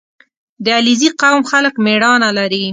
• د علیزي قوم خلک مېړانه لري.